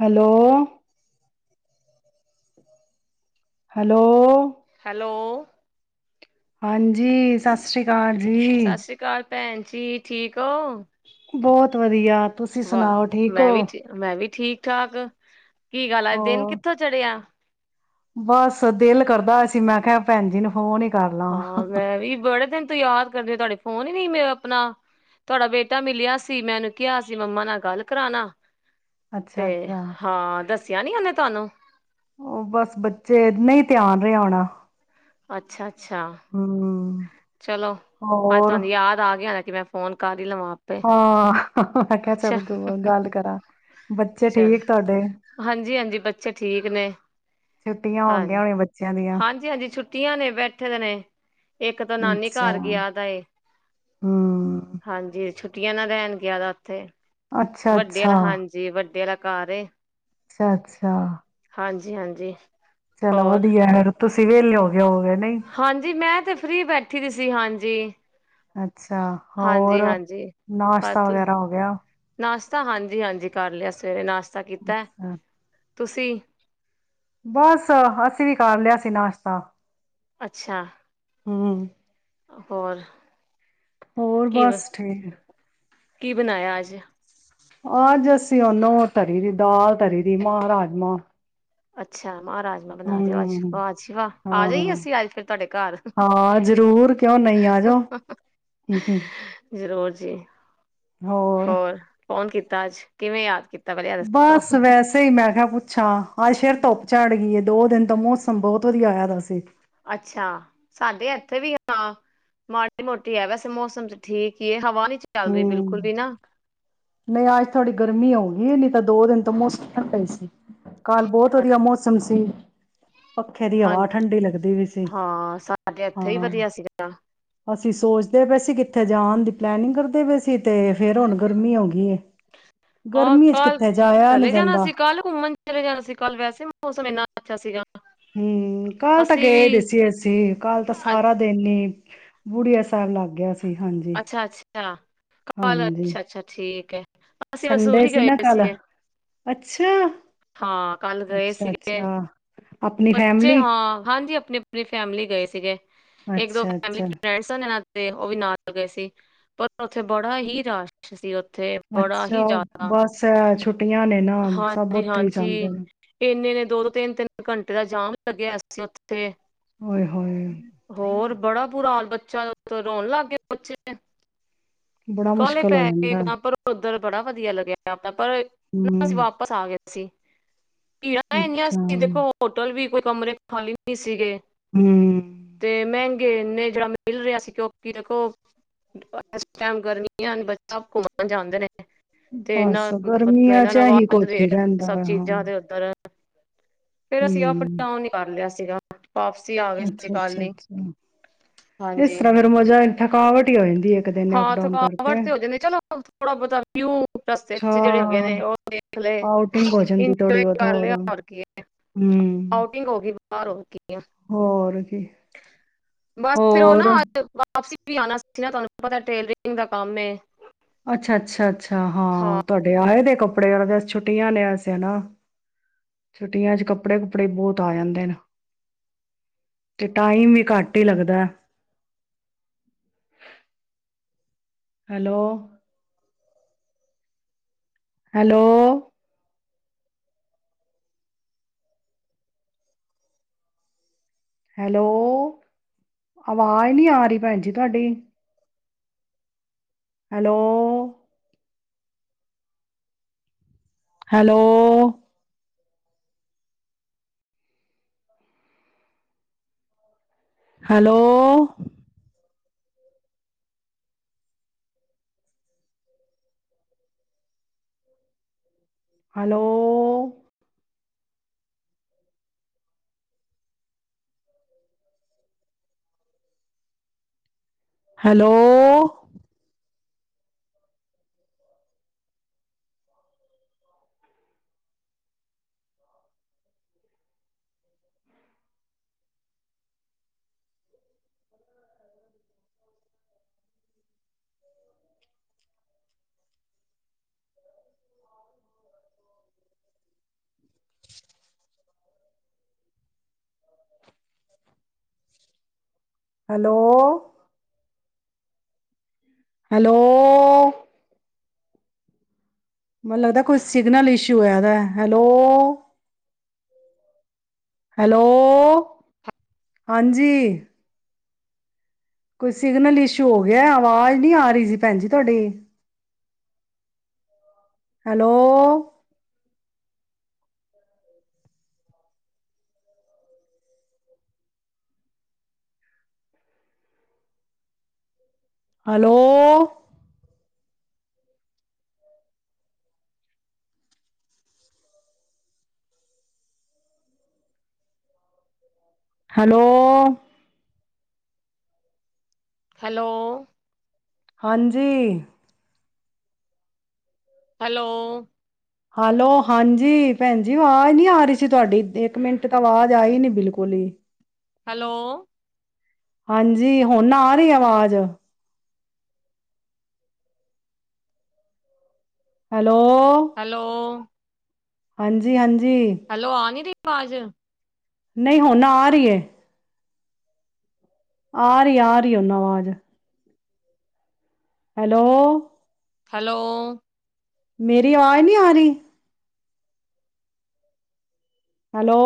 Hello. Hello. Hello. ਹਾਂਜੀ ਸਤਿ ਸ਼੍ਰੀ ਅਕਾਲ ਜੀ। ਸਤਿ ਸ੍ਰੀ ਅਕਾਲ ਭੈਣ ਜੀ ਠੀਕ ਹੋ? ਬਹੁਤ ਵਧੀਆ, ਤੁਸੀਂ ਵਾਹ ਸੁਣਾਓ ਠੀਕ ਮੈਂ ਹੋ? ਵੀ ਮੈਂ ਵੀ ਠੀਕ ਠਾਕ। ਕੀ ਗੱਲ ਅਜ ਦਿਨ ਹੋਰ ਕਿੱਥੋਂ ਚੜ੍ਹਿਆ? ਬਸ ਦਿਲ ਕਰਦਾ ਅਹਾ ਸੀ, ਮੈਂ ਕਿਹਾ ਭੈਣ ਜੀ ਨੂੰ ਫੋਨ ਹੀ ਕਰ ਲਾਂ। ਹਾਂ ਮੈਂ ਵੀ ਬੜੇ ਦਿਨ ਤੋਂ ਯਾਦ ਕਰਦੀ, ਤੁਹਾਡੇ ਫੋਨ ਹੀ ਨੀ ਮੈਂ ਆਪਣਾ, ਤੁਹਾਡਾ ਬੇਟਾ ਮਿਲਿਆ ਸੀ, ਮੈ ਓਹਨੂੰ ਕਿਹਾ ਸੀ ਮੰਮਾ ਨਾਲ ਗੱਲ ਕਰਾਣਾ ਅੱਛਾ ਤੇ ਅੱਛਾ ਹਾਂ ਦੱਸਿਆ ਨੀ ਉਹਨੇ ਤੁਹਾਨੂੰ ਉਹ ਬਸ ਬੱਚੇ, ਨਹੀਂ ਧਿਆਨ ਰਿਹਾ ਹੋਣਾ। [inaudible] ਅੱਛਾ ਅੱਛਾ, ਹਮ ਚਲੋ ਅੱਜ ਹੋਰ ਤੁਹਾਨੂੰ ਯਾਦ ਆ ਗਿਆ ਕੀ ਮੈਂ ਫੋਨ ਕਰ ਕਰ ਹੀ ਲਮਾ ਆਪੇ ਹਾਂ ਮੈਂ ਕਿਹਾ ਅੱਛਾ, ਚੱਲ ਗ- ਗੱਲ ਕਰਾਂ ਬੱਚੇ ਚਲ ਠੀਕ ਤੁਹਾਡੇ ਹਾਂਜੀ ਹਾਂਜੀ ਬੱਚੇ ਠੀਕ ਨੇ ਛੁੱਟੀਆਂ ਹੋ ਗਈਆਂ ਹਾਂਜੀ ਹੋਣੀਆਂ ਬੱਚਿਆਂ ਦੀਆਂ ਹਾਂਜੀ ਹਾਂਜੀ ਛੁੱਟੀਆਂ ਨੇ ਬੈਠੇ ਦੇ ਨੇ ਇੱਕ ਤਾਂ ਨਾਨੀ ਅੱਛਾ ਘਰ ਗਿਆ ਦਾਏ ਹਮ ਹਾਂਜੀ ਛੋਟੀਆਂ ਨਾ ਰਹਿਣ ਗਿਆ [unintelligible] ਅੱਛਾ ਵੱਡੇ ਵਾਲਾ ਅੱਛਾ ਹਾਂਜੀ ਵੱਡੇ ਵਾਲਾ ਘਰ ਏ। ਅੱਛਾ ਅੱਛਾ, ਹਾਂਜੀ ਹਾਂਜੀ, ਚਲੋ ਹੋਰ ਵਧੀਆ [unintelligible] ਤੁਸੀਂ ਵੇਹਲੇ ਹੋ। ਗਏ ਹੋਗੇ ਨਹੀਂ ਹਾਂਜੀ, ਮੈਂ ਤੇ ਫ੍ਰਰੀ ਬੈਠੀ ਦੀ ਸੀ ਹਾਂਜੀ ਜੀ ਅੱਛਾ, ਹੋਰ ਨਾਸ਼ਤਾ ਵਗੈਰਾ ਹੋ ਗਿਆ। ਤਾਂ ਹਾਂਜੀ ਹਾਂਜੀ ਕਰ ਲਿਆ ਸਵੇਰੇ ਨਾਸ਼ਤਾ। ਕੀਤਾ ਅੱਛਾ ਤੁਸੀਂ ਬਸ ਅਸੀਂ ਵੀ ਕਰ ਲਿਆ ਸੀ ਨਾਸ਼ਤਾ ਅੱਛਾ, ਹਾਂ। ਹੋਰ, ਹੋਰ ਕੀ ਬਸ ਠੀਕ ਕੀ ਬਣਾਇਆ ਅੱਜ? ਅੱਜ ਅਸੀਂ ਓਨੂੰ ਤਰੀ ਦੀ ਦਾਲ ਤਰੀ ਦੀ ਮਾਂਹ ਰਾਜਮਾਂ। ਅੱਛਾ, ਮਾਹ ਰਾਜਮਾ ਬਣਾ ਰਹਿਓ ਅੱਜ ਹੂੰ ਵਾਹ ਜੀ ਵਾਹ ਆ ਜਾਈ ਹਾਂ ਅਸੀਂ ਅੱਜ ਫੇਰ ਤੁਹਾਡੇ ਘਰ ਹਾਂ ਜ਼ਰੂਰ ਕਿਉਂ ਨਹੀਂ ਆਜੋ ਹੂੰ ਹੂੰ ਜ਼ਰੂਰ ਜੀ ਹੋਰ ਫੋਨ ਕੀਤਾ ਅੱਜ ਕਿਵੇਂ ਯਾਦ ਕੀਤਾ ਪਹਿਲੇ ਇਹ ਦੱਸੋ ਬਸ ਵੈਸੇ ਹੀ ਮੈਂ ਕਿਹਾ ਪੁੱਛਾਂ ਅੱਜ ਫ਼ਿਰ ਧੁੱਪ ਝੜ ਗਈ ਦੋ ਦਿਨ, ਮੌਸਮ ਬਹੁਤ ਵਧੀਆ ਹੋਇਆ ਦਾ ਸੀ। ਅੱਛਾ ਸਾਡੇ ਇੱਥੇ ਵੀ ਹਾਂ ਮਾੜੀ ਮੋਟੀ ਹੈ ਵੈਸੇ ਮੌਸਮ ਚ ਠੀਕ ਹੀ ਹੈ ਹਵਾ ਨੀ ਚੱਲ ਰਹੀ ਬਿਲਕੁਲ ਹੂੰ, ਵੀ ਨਾ ਨਹੀਂ ਅੱਜ ਥੋੜ੍ਹੀ ਗਰਮੀ ਹੋਊਗੀ ਹੋਣੀ। ਤਾਂ ਦੋ ਦਿਨ ਤੋਂ ਮੌਸਮ ਠੰਡਾ ਹੀ ਸੀ। ਕੱਲ ਬਹੁਤ ਵਧੀਆ ਮੌਸਮ ਸੀ। ਪੱਖੇ ਦੀ ਹਵਾ ਹਾਂਜੀ, ਠੰਡੀ ਲੱਗਦੀ ਵੀ ਸੀ ਹਾਂ---ਸਾਡੇ ਇੱਥੇ ਹੀ ਹਾਂ। ਵਧੀਆ ਸੀਗਾ। ਅਸੀਂ ਸੋਚਦੇ ਪਏ ਸੀ ਕਿਤੇ ਜਾਣ ਦੀ ਪਲੈਨਿੰਗ ਕਰਦੇ ਫਿਰ ਹੁਣ ਗ਼ਰਮੀ ਹੋ ਗਈ ਏ ਆਹ! ਗਰਮੀ ਚ ਕੱਲ ਕਿੱਥੇ ਜਾਇਆ ਨੀ ਚਲੇ ਜਾਣਾ ਜਾਂਦਾ ਸੀ, ਕੱਲ ਘੁੰਮਣ ਚਲੇ ਜਾਣਾ ਸੀ, ਕੱਲ ਵੈਸੇ ਮੌਸਮ ਇੰਨਾ ਅੱਛਾ ਸੀਗਾ। ਹਮਮ! ਕੱਲ ਤਾਂ ਅਸੀਂ ਗਏ ਪੇ ਵੀ ਸੀ ਅਸੀਂ, ਕੱਲ ਤਾਂ ਸਾਰਾ ਦਿਨ ਹੀ ਬੁੜੀਆ ਸਾਹਿਬ ਲੱਗ ਗਿਆ ਸੀ। ਹਾਂਜੀ ਅੱਛਾ-ਅੱਛਾ ਕੱਲ ਹਾਂਜੀ ਅੱਛਾ-ਅੱਛਾ ਠੀਕ ਹੈ, ਅਸੀਂ ਸੰਡੇ ਮਨਸੂਰੀ ਸੀ ਗਏ ਨਾ ਪਏ ਕੱਲ ਸੀਗੇ, ਅੱਛਾ ਹਾਂ ਕੱਲ ਗਏ ਅੱਛਾ ਸੀਗੇ। ਅੱਛਾ ਆਪਣੀ ਬੱਚੇ ਫੈਮਿਲੀ ਹਾਂ, ਹਾਂਜੀ ਆਪਣੀ-ਆਪਣੀ ਫੈਮਿਲੀ ਗਏ ਸੀਗੇ। ਇਕ ਦੋ ਅੱਛਾ ਫੈਮਿਲੀ ਅੱਛਾ ਫ਼੍ਰੇੰਡ੍ਸ ਸਨ ਨਾਲ ਤੇ ਉਹ ਵੀ ਨਾਲ ਗਏ ਸੀ, ਪਰ ਉੱਥੇ ਬੜਾ ਹੀ ਰਸ਼ ਸੀ ਓ ਅੱਛਾ! ਬਸ ਏ ਛੁੱਟੀਆਂ ਨੇ ਨਾ, ਸਭ ਉੱਥੇ ਹੀ ਜਾਂਦੇ ਹਾਂਜੀ-ਹਾਂਜੀ ਨੇ। ਇੰਨੇ ਨੇ ਦੋ-ਦੋ ਤਿੰਨ-ਤਿੰਨ ਘੰਟੇ ਦਾ ਜਾਮ ਲੱਗਿਆ ਹੋਇਆ ਸੀ ਉੱਥੇ। ਓਏ ਹੋਏ ਤੇ ਹੋਰ ਬੜਾ ਬੁਰਾ ਹਾਲ ਬੱਚਿਆਂ ਦਾ ਉੱਤੋਂ ਰੋਣ ਲੱਗ ਗਏ। [unintelligible] ਬੜਾ ਕਾਹਲੇ ਮੁਸ਼ਕਿਲ ਹੋ ਪੈ ਗਏ ਜਾਂਦਾ ਹੈ। ਇੱਕਦਮ ਪਰ ਉੱਧਰ ਬੜਾ ਵਧੀਆ ਲਗਿਆ। ਪਰ ਨਾ ਅਸੀਂ ਹੂੰ ਵਾਪਸ ਆ ਗਏ। ਸੀ ਭੀੜਾਂ ਇੰਨੀਆਂ ਅੱਛਾ ਸੀ, ਦੇਖੋ ਹੋਟਲ ਵੀ ਕੋਈ ਕਮਰੇ ਖਾਲੀ ਨਹੀਂ ਸੀਗੇ। ਹਮਮ [unintelligible] ਟਾਈਮ ਗਰਮੀਆਂ ਬੱਚੇ ਘੁੰਮਣ ਜਾਂਦੇ ਨੇ। ਤੇ ਇਹਨਾਂ ਬਸ ਮਤਲਬ ਗਰਮੀਆਂ ਇਹਨਾਂ ਚ ਨਾਲ ਇਹੀ ਵਧ ਕੁਛ ਹੀ ਰੇਟ ਰਹਿੰਦਾ ਸਬ ਵਾ ਹਾਂ ਚੀਜ਼ਾਂ ਦੇ ਉੱਪਰ ਫੇਰ ਅਸੀਂ ਅਪ ਹੂੰ -ਡਾਊਨ ਹੀ ਕਰ ਲਿਆ ਸੀ ਸੀਗਾ [inaudible] ਆ ਗਏ ਸੀ ਅੱਛਾ ਕੱਲ -ਅੱਛਾ ਹੀ -ਅੱਛਾ ਇਸ ਹਾਂਜੀ ਤਰ੍ਹਾਂ ਫੇਰ ਮਜ਼ਾ ਥਕਾਵਟ ਹੀ ਹੋ ਜਾ ਹਾਂ, ਥਕਾਵਟ ਤੇ ਹੋ ਜਾਂਦੀ ਚਲੋ ਥੋੜਾ ਬਹੁਤਾ ਵਿਊ ਰਸਤੇ ਅੱਛਾ ਚ ਜਿਹੜੇ ਹੋਗੇ ਨੇ ਉਹ ਦੇਖ ਲਏ, ਆਊਟਿੰਗ ਹੋ ਜਾਂਦੀ ਥੋੜੀ ਇਜੋਏ ਬਹੁਤ ਕਰ ਲਿਆ, ਹੋਰ ਕੀ ਏ ਹੂੰ ਆਊਟਿੰਗ ਹੋ ਗਈ ਬਾਹ ਹੋ ਹੋਰ ਕੀ ਬਸ ਫਿਰ ਉਹ ਨਾ ਹੋਰ ਵਾਪਸੀ ਵੀ ਆਉਣਾ ਸੀ ਨਾ ਤੁਹਾਨੂੰ ਪਤਾ ਟੇਲਰਿੰਗ ਦਾ ਕੰਮ ਅੱਛਾ ਅੱਛਾ ਅੱਛਾ ਹਾਂ ਤੁਹਾਡੇ ਆਏ ਦੇ ਕੱਪੜੇ ਵਾਲੇ ਛੁੱਟੀਆਂ ਨੇਸ ਨਾ ਛੁੱਟੀਆਂ ਚ ਕੱਪੜੇ ਕੁਪੜੇ ਬਹੁਤ ਆ ਜਾਂਦੇ ਨੇ ਤੇ ਟਾਈਮ ਵੀ ਘੱਟ ਹੀ ਲੱਗਦਾ ਹੈਲੋ ਹੈਲੋ ਹੈਲੋ ਅਵਾਜ਼ ਨਹੀਂ ਆ ਰਹੀ ਭੈਣ ਜੀ ਤੁਹਾਡੀ hello hello hello hello hello hello hello ਮੈਨੂੰ ਲੱਗਦਾ ਕੋਈ ਸਿਗਨਲ ਇਸ਼ੂ ਹੈ ਇਹਦਾ ਹੈਲੋ ਹੈਲੋ ਹਾਂਜੀ ਕੋਈ ਸਿਗਨਲ ਇਸ਼ੂ ਹੋ ਗਿਆ ਆਵਾਜ਼ ਨੀ ਆ ਰਹੀ ਸੀ ਭੈਣ ਜੀ ਤੁਹਾਡੀ ਹੈਲੋ ਹੈਲੋ ਹੈਲੋ ਹੈਲੋ ਹਾਂਜੀ ਹੈਲੋ ਹੈਲੋ ਹਾਂਜੀ ਭੈਣ ਜੀ ਆਵਾਜ਼ ਨੀ ਆ ਰਹੀ ਸੀ ਤੁਹਾਡੀ ਇੱਕ ਮਿੰਟ ਤ ਤਾਂ ਆਵਾਜ਼ ਆਈ ਨੀ ਬਿਲਕੁਲ ਹੀ ਹੈਲੋ ਹਾਂਜੀ ਹੁਣ ਨਾ ਆ ਰਹੀ ਆਵਾਜ਼ ਹੇਲ ਹੈਲੋ ਹਾਂਜੀ ਹਾਂ ਹੈਲੋ ਆਨੀ ਰੀ ਪਾਜ਼ ਨਹੀਂ ਹੁਣ ਆ ਰਹੀ ਹੈ ਆ ਰਹੀ ਆ ਰਹੀ ਓਨਾ ਆਵਾਜ਼ ਹੈਲੋ ਹੈਲੋ ਮੇਰੀ ਆਵਾਜ ਨਹੀਂ ਆ ਰਹੀ। ਹੈਲੋ।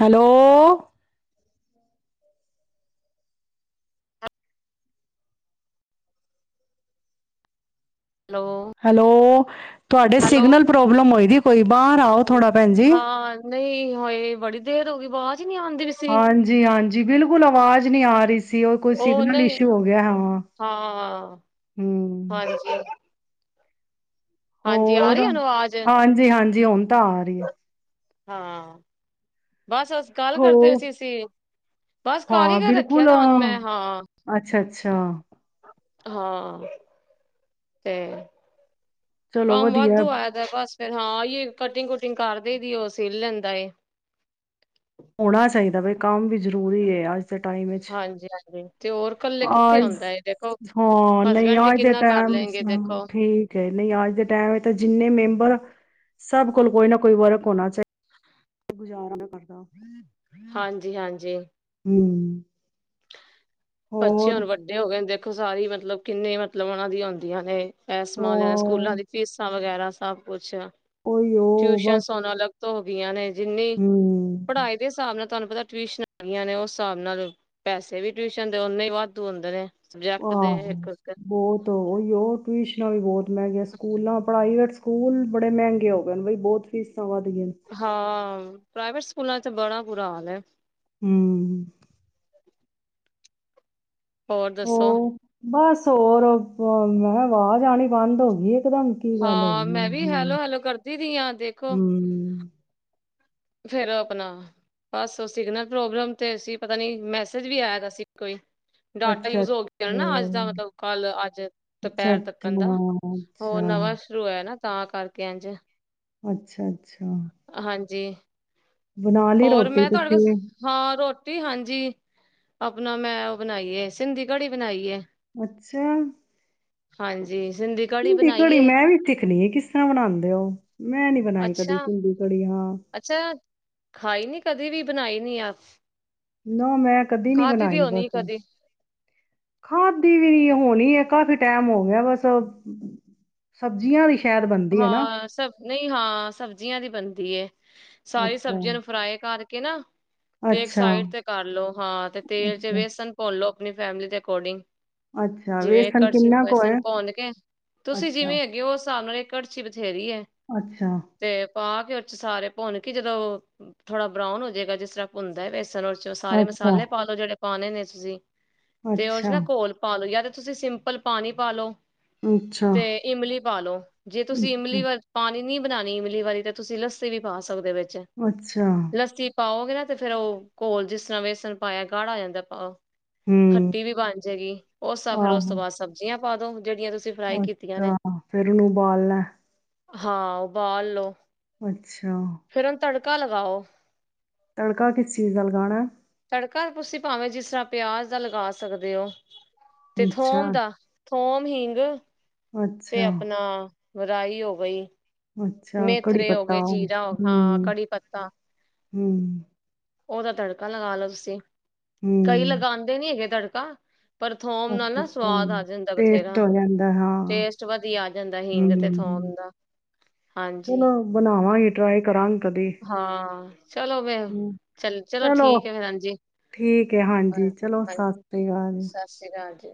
ਹੈਲੋ। Hello hello. ਤੁਹਾਡੇ ਹੈਲੋ ਸਿਗਨਲ ਪ੍ਰੋਬਲਮ ਹੋਇਗੀ। ਬਾਹਰ ਆਓ ਥੋੜਾ ਭੈਣ ਜੀ। ਨਈ ਹਾਏ ਬੜੀ ਦੇਰ ਹੋ ਗਈ ਵਾਜ ਹਾਂਜੀ, ਹਾਂਜੀ, ਬਿਲਕੁਲ ਆਵਾਜ਼ ਨੀ ਆ ਰੀ ਸੀ। ਸੀ ਹੋਰ ਕੋਈ ਉਹ ਸਿਗਨਲ ਨਹੀਂ ਇਸ਼ੂ ਹੋ ਗਿਆ ਹਾਂ, ਹਾਂ ਹੁੰ। ਹਾਂਜੀ ਹਾਂਜੀ ਆ ਹੋਰ, ਰਹੀ ਉਹਨੂੰ ਆਵਾਜ਼ ਹਾਂਜੀ, ਹਾਂਜ। ਜੀ ਹੁਣ ਤਾਂ ਆ ਰਹੀ ਏ। ਹਾਂ। ਬਸ ਅਸ ਗੱਲ ਕਰਦੇ ਪਏ ਹੋ ਸੀ ਅਸੀ, ਬਸ ਹਾਂ, ਕਾਰੀਗਰ ਰੱਖਿਆ ਬਿਲਕੁਲ ਦਾ ਅ, ਹਣੂੰ ਮੈਂ ਹਾਂ। ਅੱਛਾ, ਅੱਛਾ ਹਾਂ ਤੇ ਚਲੋ ਕੰਮ ਵਧੀਆ ਹੈ, ਵਾਧੂ ਆਇਆ ਦਾ ਬਸ ਫੇਰ ਹਾਂ, ਯੇ ਕਟਿੰਗ ਕੁ ਟਿੰਗ ਕਰ ਦੇ ਵੀ ਉਹ ਸਿਲ ਲੈਂਦਾ ਏ। ਹੋਣਾ ਚਾਹੀਦਾ ਬਈ ਕੰਮ ਵੀ ਜ਼ਰੂਰੀ ਏ, ਅਜ ਜ ਦੇ ਟਾਇਮ ਵਿੱਚ, ਹਾਂਜੀ ਹਾਂਜੀ ਤੇ ਹੋਰ ਕੱਲੇ ਹਾਂ ਕਿੱਥੇ ਇਸ, ਹੁੰਦਾ ਏ ਦੇਖੋ ਹਾਂ ਨਈ ਹਸਬੈਂਡ ਵੀ ਅਜ ਦੇ ਕਿੰਨਾ ਕਰ ਟੈਮ ਲੈਣਗੇ [unintelligible] ਦੇਖੋ ਠੀਕ ਏ, ਨਈ ਅਜ ਦੇ ਟੈਮ ਵਿਚ ਜਿੰਨੇ ਮੈਂਬ ਪਰ ਸਭ ਕੋਲ ਕੋਈ ਨਾ ਕੋਈ ਵਰਕ ਹੋਨਾ ਚਾਹੀ ਗੁਜ਼ਾਰਨ ਹਾਂਜੀ, ਹਾਂਜੀ। ਜੀ। ਹੁੰ। ਬੱਚੇ ਹੁਨ ਵੱਡੇ ਹੋ ਗਏ ਨੇ ਦੇ ਖੋ ਸਾਰੀ ਮਤਲਬ ਕਿੰਨੇ ਮਤਲਬ ਉਹਨਾਂ ਦੀਆਂ ਹੁਨਦੀਆਂ ਨੇ। ਏਹ ਸਮਾਨ ਲੇਨਾ ਸਕੂਲਾਂ ਹਾਂ, ਦੀ ਫੀਸਾਂ ਵਗੈਰਾ ਸਭ ਕੁਛ। ਕੋਈ ਉਹ ਬਸ ਧੋਬੀਆਂ ਨੇ ਜਿੰਨੀ ਹੂੰ। ਪੜ੍ਹਾਈ ਦੇ ਹਿਸਾਬ ਨਾਲ ਤੁਹਾਨੂੰ ਪਤਾ ਟਿਊਸ਼ਨਨਾਂ ਬੜੀਆਂ ਨੇ ਉਸ ਹਿਸਾਬ ਨਾਲ ਪੈਸੇ ਵੀ ਟਿਊਸ਼ਨ ਕੇਂਦੇ ਓਨੇ ਈ ਵਾਧੂ ਹੁੰਦੇ ਨੇ ਸਬਜੈਕਟ ਦੇ ਆਹੋ ਇੱਕ ਉਤੇ। ਬੋਤ ਔਈਓ ਟਊਸ਼ਨਾਂ ਵੀ ਬਹੁਤ ਮੈਂ ਕਿਹਾ ਸਕੂਲਾਂ ਪੜਾਈਵੇਟਸ ਸਕੂਲ ਬੜੇ ਮਹਿੰਗੇ ਹੋ ਗਏ ਨੇ ਬਈ ਬੋਤ ਫੀਸ ਸਾ ਵੱਧ ਗਈਆਂ ਨੇ। ਹਾਂ ਪ੍ਰਾਈਵੇਟ ਸਕੂਲਾਂ ਚ ਬੜਾ ਬੁਰਾ ਹਾਲ ਏ। ਹੁੰ। ਹੋਰ ਦੱਸੋ ਬਸ ਹੋਰ [unintelligible] ਮੈਂ ਹਾ ਆਵਾਜ਼ ਆਣੀ ਬੰਦ ਹੋ ਗਈ ਏ। ਪਤਾ ਨੀ ਇਕਦਮ ਕੀ ਗੱਲ ਹੋ ਹਾਂ ਗਈ ਮੈਂ ਵੀ ਹੈ। ਹੈਲੋ ਹੈਲੋ ਕਰਦੀ ਰਹੀ ਹਾਂ ਹੁਅਅਅ ਫਿਰ ਆਪਣਾ ਬਸ ਸਿਗਨਲ ਪ੍ਰੋਗਰਾਮ ਤੇ ਅਸੀਂ ਪਤਾ ਨਹੀਂ ਮੈਸੇਜ ਵੀ ਆਇਆ ਸੀ ਕੋਈ। ਡਾਟਾ ਅੱਛਾ ਅੱਛਾ ਯੂਜ ਹੋ ਗਿਆ ਨਾ ਅੱਜ ਦਾ ਮਤਲਬ ਕੱਲ ਅੱਜ ਅੱਛਾ ਦੁਪਹਿਰ ਤੱਕ ਦਾ ਹੋਰ ਅੱਛਾ ਨਵਾਂ ਸ਼ੁਰੂ ਹੋਇਆ ਨਾ ਤਾਂ ਕਰਕੇ ਇੰਜ ਅੱਛਾ ਅੱਛਾ ਆ ਹਾਂਜੀ। ਬਣਾ ਲਈ ਰੋਟੀ ਤੁਸੀਂ! ਦੀਦੀ ਹਾਂਜੀ ਆਪਣਾ ਮੈਂ ਉਹ ਬਣਾਈਏ ਸਿੰਧੀ ਘੜੀ ਬਣਾਈਏ। ਅੱਛਾ ਆਆ ਹਾਂਜੀ। ਕੜੀ ਸਿੰਧੀ ਬਣਾਈ ਘੜੀ ਹੈ ਮੈਂ ਵੀ ਸਿੱਖਣੀ ਆ ਕਿਸ ਤਰ੍ਹਾਂ ਬਣਾਉਂਦੇ ਹੋ ਮੈਂ ਨੀ ਬਣਾਈ ਕਦੀ ਸਿੰਧੀ ਘੜੀ ਹਾਂਅ। ਅੱਛਾ! ਅੱਛਾ ਖਾਈ ਨੀ ਕਦੇ ਵੀ ਬਣਾਈ ਨੀ ਆਪ ਨਾ ਮੈਂ ਕਦੀ ਵੀ ਨੀ ਬਣਾਈ ਬਸ ਕਦੀ ਖਾਦੀ ਵੀ ਨਹੀ। ਹੋਣੀ ਹੈ ਕਾਫੀ ਟਾਈਮ ਹੋ ਗਿਆ ਬਸ ਸਬਜ਼ੀਆਂ ਦੀ। ਸ਼ਾਇਦ ਬਣਦੀ ਹੈ ਨਾ ਹਾਂ ਸਬ ਨਹੀਂ ਹਾਂ ਸਬਜ਼ੀਆਂ ਦੀ ਬਣਦੀ ਹੈ। ਤੀਏ ਸਾਰੀਆਂ ਅੱਛਾ ਸਬਜ਼ੀਆਂ ਨੂੰ ਫਰਾਈ ਕਰ! ਕੀ ਨਾ ਤੇ ਇੱਕ ਅੱਛਾ ਸਾਈਡ ਤੇ ਕਰ ਲੋ ਹਾਂ ਤੇ ਤੇਲ ਚ ਅੱਛਾ ਬੇਸਣ ਘੋਲੋ। ਆਪਣੀ ਫੈਮਿਲੀ ਦੇ ਅਕਾਊਂਟਿੰਗ। ਅੱਛਾ ਜਿਵੇਂ ਵੇਸਣ ਕੜਛੀ ਕਿੰਨਾ ਕੁ ਬੇਸਣ ਹੈ ਪਾਉਨ ਕੇ ਤੁਸੀਂ ਅੱਛਾ ਜਿਵੇਂ ਹੈਗੇ ਹੋ ਉਸ ਹਿਸਾਬ ਨਾਲ ਕਰਛੀ ਵਿਚ ਬਥੇਰੀ ਹੈ ਅੱਛਾ ਤੇ ਪਾ ਕੇ ਸਾਰੇ ਭੁੰਨ ਕੇ ਜਦੋਂ ਥੋੜਾ ਬਰਾਊਨ ਹੋਜੇਗਾ ਜਿਸ ਤਰ੍ਹਾਂ ਭੁੰਨ ਦਾ ਹੈ ਵੇਸਨ! ਅੱਛਾ, ਸਾਰੇ ਅੱਛਾ ਅੱਛਾ ਮਸਾਲੇ ਪਾਲੋ ਜਿਹੜੇ। ਪਾਉਣੇ ਨੇ ਤੁਸੀ ਤੇ ਉਦੇ ਚ ਅੱਛਾ ਨਾ ਘੋਲ ਪਾਲੋ ਯਤੇ ਤੁਸੀਂ ਸਿੰਪਲ ਪਾਣੀ ਪਾਲੋ। ਤੇ ਇਮਲੀ ਪਾਲੋ। ਤੁਸੀਂ ਇਮਲੀ ਵਰ ਪਾ ਨੀ ਬਣਾਣੀ ਇਮਲੀ ਵਾਲੀ ਤੇ ਤੁਸੀਂ ਲੱਸੀ ਵੀ ਪਾ ਸਕਦੇ ਵੇਚ। ਚ ਅੱਛਾ ਅੱਛਾ ਲੱਸੀ ਪਾਓ। ਕੇ ਨਾ ਤੇ ਫੇਰ ਔਹ ਘੋਲ ਜਿਸ ਤਰ੍ਹਾਂ ਵੇਸਣ ਪਾਯੈ ਗਾੜਾ ਹੋ ਜਾਂਦੈ। ਪ ਹੂੰ ਖੱਟੀ ਵੀ ਬਣ ਜੇਗੀ, ਔਸਾ ਫੇਰ ਔਸ ਆਹੋ ਤੋਂ ਬਾਦ ਸਬਜ਼ੀਆਂ ਪਾਦੋ ਹੁਣ। ਅੱਛਾ, ਫੇਰ ਉਨੂੰ ਉਬਾਲਣਾ। ਹਾਂ। ਉਬਾਲ ਲੋ। ਅੱਛਾ। ਕਾ ਲਗਾਓ। ਤੜਕਾ, ਕਿਸ ਚੀਜ਼ ਦਾ ਲਗਾਣੈ? ਤੜਕਾ! ਤੁਸੀਂ ਭਾਵੇਂ, ਜਿਸ ਤਰ੍ਹਾਂ ਪਿਆਜ ਦਾ ਲਗਾ ਸਕਦੇ ੳ। ਤੇ ਅੱਛਾ ਥੋਮ ਦਾ ਥੋਮ, ਹੀੰਗ। ਅੱਛਾ ਤੇ ਅਪਣਾ ਰਾਈ ਹੋ ਗਈ। ਅੱਛਾ ਕੜੀ ਮੇਥਰੇ ਹੋ ਪੱਤਾ ਗੇ, ਹੂੰ ਜੀ਼ਰਾ ਹੋ ਹਾਂ, ਕੜੀ ਪੱਤਾ। ਹੂੰ ਉਂਦਾ ਤੜਕਾ ਲਗਾ ਲੋ ਤੁਸੀਂ। ਕਈ ਹੂੰ। ਲਗਾਂਦੇ ਨੀ ਹੈਗੇ ਤੜ [inaudible] ਪਰ ਥੋਮ ਨਾਲ ਅੱਛਾ, ਨਾ ਅੱਛਾ। ਸਵਾਦ ਆ ਜਾਂਦੈ ਟੇਸਟ ਬਥੇਰਾ, ਹੋ ਜਾਂਦਾ ਹਾਂ, ਟੇਸਟ ਵਧੀਆ ਆ ਜਾਂਦੈ ਹਿੰਗ ਤੇ ਹੂੰ, ਥੋਮ ਦਾ। ਹਾਂਜੀ, ਚਲੋ ਬਣਾਵਾਂਗੇ ਟਰਾਈ ਕਰਾਂਗੇ ਕਦੇ। ਹਾਂ। ਚਲੋ ਫੇ ਹੂੰ। ਚਲੋ, ਠੀਕ ਹੇਂ, ਹਾਂ, ਹਾਂਜੀ। ਚਲੋ, ਸਤ ਹਾਂਜੀ ਸ੍ਰੀ ਕਾਲ। ਸਤਿ ਸ੍ਰੀ ਅਕਾਲ ਜੀ